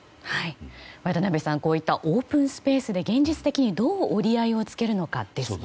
渡辺さんオープンスペースで現実的にどう折り合いをつけるのかですね。